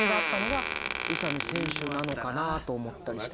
が宇佐美選手なのかなと思ったりした。